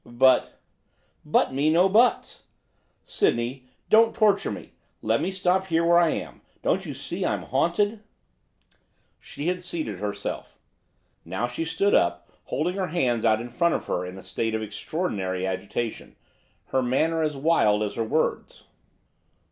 'But ' '"But me no buts!" Sydney, don't torture me, let me stop here where I am, don't you see I'm haunted?' She had seated herself. Now she stood up, holding her hands out in front of her in a state of extraordinary agitation, her manner as wild as her words.